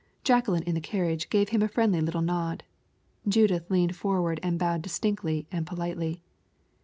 Jacqueline in the carriage gave him a friendly little nod. Judith leaned forward and bowed distinctly and politely.